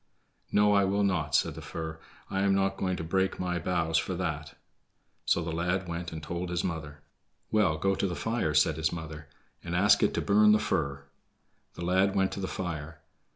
"No, I will not," said the fir; "I am not going to break my boughs for that." So the lad went and told his mother. "Well, go to the fire," said his mother, "and ask it to burn the fir." The lad went to the fire.